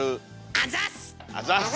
あざっす！